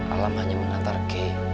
alham hanya mengantar ke